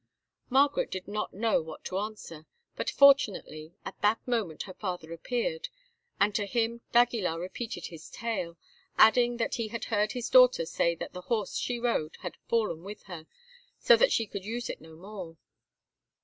Margaret did not know what to answer, but, fortunately, at that moment her father appeared, and to him d'Aguilar repeated his tale, adding that he had heard his daughter say that the horse she rode had fallen with her, so that she could use it no more.